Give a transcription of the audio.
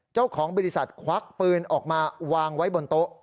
เจ้าของบริษัทควักปืนออกมาวางไว้บนโต๊ะ